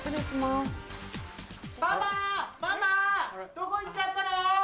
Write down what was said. どこ行っちゃったの？